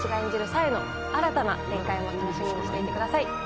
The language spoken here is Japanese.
紗枝の新たな展開も楽しみにしていてください